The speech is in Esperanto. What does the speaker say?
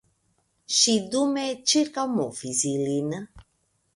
Ŝi dume ĉirkaŭmovis ilin.